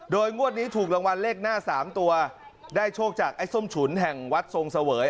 งวดนี้ถูกรางวัลเลขหน้า๓ตัวได้โชคจากไอ้ส้มฉุนแห่งวัดทรงเสวย